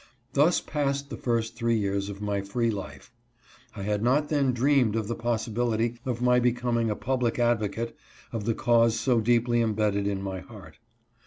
Thus passed the first three years of my free life. I had not then dreamed of the possibility of my becoming a public advocate of the cause so deeply imbedded in my heart.